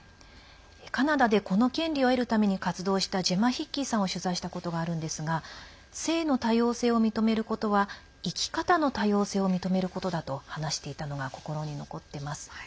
カナダでこの権利を得るために活動したジェマ・ヒッキーさんを取材したことがあるんですが性の多様性を認めることは生き方の多様性を認めることだと話していたのが心に残っています。